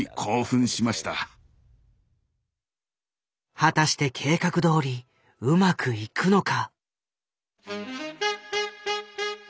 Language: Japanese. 果たして計画どおりうまくいくのか？